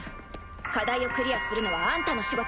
課題をクリアするのはあんたの仕事。